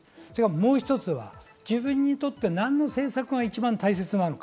もう一つは自分にとって何の政策が一番大切なのか。